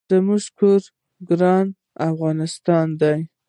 زمونږ کور ګران افغانستان دي